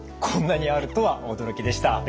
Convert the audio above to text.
こんなにあるとは驚きでした。